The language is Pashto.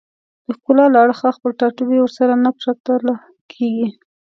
د ښکلا له اړخه خپل ټاټوبی ورسره نه پرتله کېږي